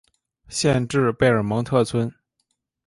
县治贝尔蒙特村。